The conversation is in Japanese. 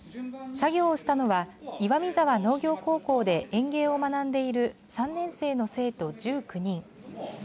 作業をしたのは岩見沢農業高校で園芸を学んでいる３年生の生徒１９人。